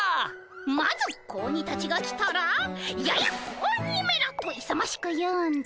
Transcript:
まず子鬼たちが来たら「ややっ子鬼めらっ！」といさましく言うんだ。